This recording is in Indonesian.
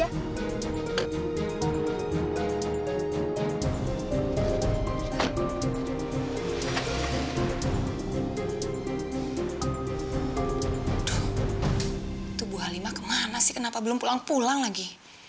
aduh itu bu halimah kemana sih kenapa belum pulang pulang lagi